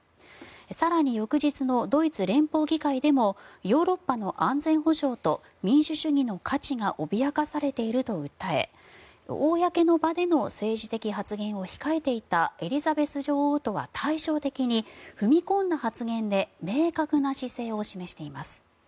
更に、翌日のドイツ連邦議会でもヨーロッパの安全保障と民主主義の価値が脅かされていると訴え公の場での政治的発言を控えていたエリザベス女王とは対照的に踏み込んだ発言で明確な姿勢を示しています。